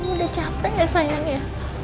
udah capek ya sayangnya